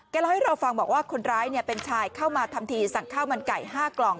เล่าให้เราฟังบอกว่าคนร้ายเป็นชายเข้ามาทำทีสั่งข้าวมันไก่๕กล่อง